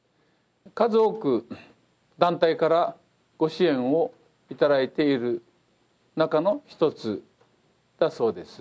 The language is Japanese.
数多く団体からご支援を頂いている中の一つだそうです。